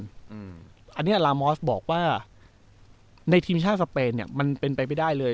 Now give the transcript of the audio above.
แต่ว่าในทีมชาติสเปนมันเป็นไปไม่ได้เลย